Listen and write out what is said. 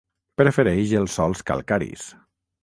Prefereix els sòls calcaris.